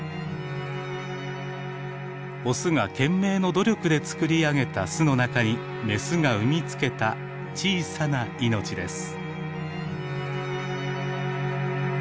オスが懸命の努力で作り上げた巣の中にメスが産み付けた小さな命です。